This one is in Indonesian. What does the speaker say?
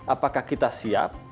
apakah kita siap